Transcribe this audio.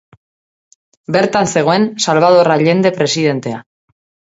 Bertan zegoen Salvador Allende presidentea.